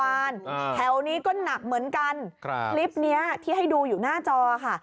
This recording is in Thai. แถวนี้ก็หนักเหมือนกันครับคลิปเนี้ยที่ให้ดูอยู่หน้าจอค่ะ